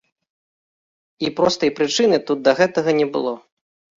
І простай прычыны тут да гэтага не было.